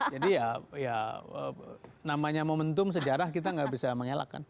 jadi ya namanya momentum sejarah kita tidak bisa mengelakkan